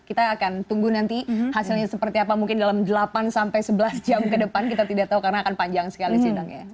kita akan tunggu nanti hasilnya seperti apa mungkin dalam delapan sampai sebelas jam ke depan kita tidak tahu karena akan panjang sekali sih bang ya